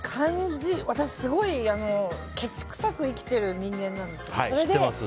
私、すごいけち臭く生きている人間なんです。